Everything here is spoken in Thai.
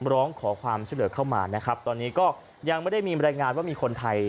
ร้องขอความช่วยเหลือเข้ามานะครับตอนนี้ก็ยังไม่ได้มีบรรยายงานว่ามีคนไทย